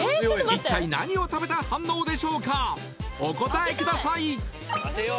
一体何を食べた反応でしょうかお答えください・当てよう